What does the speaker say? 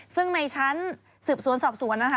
ซึ่งในชั้นสืบสวนสอบสวนนะคะ